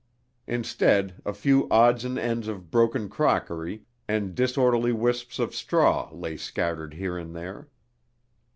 Instead, a few odds and ends of broken crockery and disorderly wisps of straw lay scattered here and there.